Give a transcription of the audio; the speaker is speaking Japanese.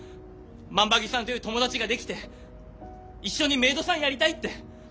万場木さんという友達ができて一緒にメイドさんやりたいって。